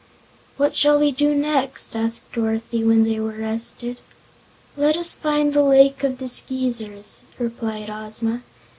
"What shall we do next?" asked Dorothy, when they were rested. "Let us find the Lake of the Skeezers," replied Ozma.